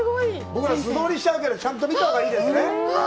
僕ら素通りしちゃうけど、ちゃんと見たほうがいいですね。